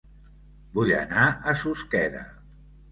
Vull anar a Susqueda